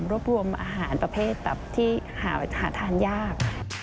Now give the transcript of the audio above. รวบรวมอาหารประเภทแบบที่หาทานยาก